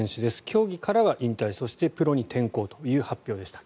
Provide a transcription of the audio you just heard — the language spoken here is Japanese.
競技からは引退そしてプロに転向という発表でした。